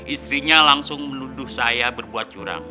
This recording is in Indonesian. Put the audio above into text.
istrinya langsung menuduh saya berbuat curang